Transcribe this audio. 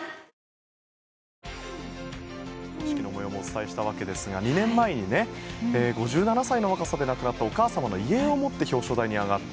表彰式の模様もお伝えしましたが２年前に５７歳の若さで亡くなったお母様の遺影を持って表彰台に上がった。